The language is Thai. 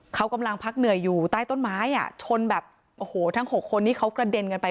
เขากำลังพักเหนื่อยอยู่ใต้ต้นไม้อ่ะชนแบบโอ้โหทั้ง๖คนที่เขากระเด็นกันไป